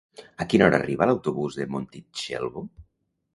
A quina hora arriba l'autobús de Montitxelvo?